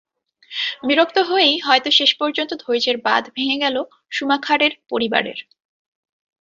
বিরক্ত হয়েই হয়তো শেষ পর্যন্ত ধৈর্যের বাঁধ ভেঙে গেল শুমাখারের পরিবারের।